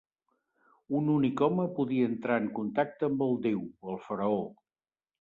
Un únic home podia entrar en contacte amb el déu, el faraó.